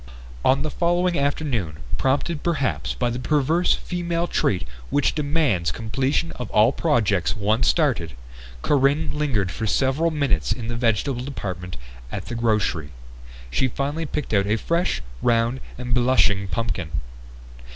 On the following afternoon prompted perhaps by that perverse female trait which demands completion of all projects once started Corinne lingered for several minutes in the vegetable department at the grocery. She finally picked out a fresh, round and blushing pumpkin.